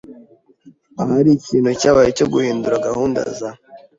Ahari ikintu cyabaye cyo guhindura gahunda za